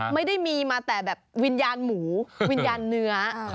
ไม่ได้มีมาแต่แบบวิญญาณหมูวิญญาณเนื้อ